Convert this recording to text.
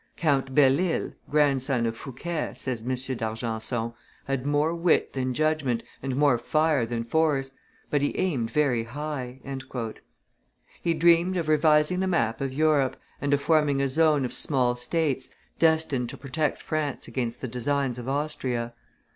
"Count Belle Isle, grandson of Fouquet," says M. d'Argenson, "had more wit than judgment, and more fire than force; but he aimed very high." He dreamed of revising the map of Europe, and of forming a zone of small states, destined to protect France against the designs of Austria.